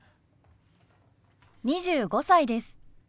２５歳です。